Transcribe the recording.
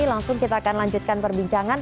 langsung kita akan lanjutkan perbincangan